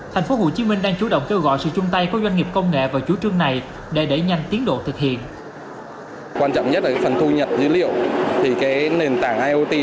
tp hcm đang chủ động kêu gọi sự chung tay của doanh nghiệp công nghệ vào chủ trương này để đẩy nhanh tiến độ thực hiện